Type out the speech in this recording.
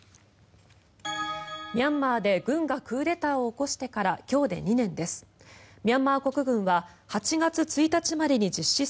ミャンマーで軍がクーデターを起こしてから今日で２年です。